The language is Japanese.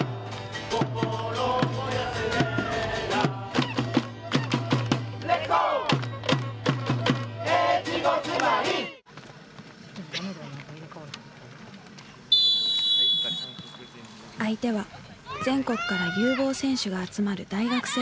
相手は全国から有望選手が集まる大学生チーム。